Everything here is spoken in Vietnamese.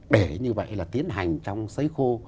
để như vậy là tiến hành trong sấy khô